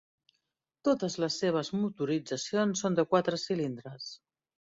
Totes les seves motoritzacions són de quatre cilindres.